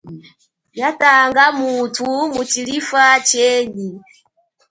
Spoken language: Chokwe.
Ya tanga muthu mutshilifa chenyi.